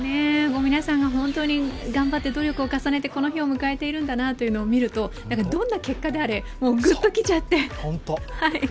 皆さんが本当に頑張って努力を重ねて、この日を迎えているんだなというのを見ると、どんな結果であれグッときちゃって。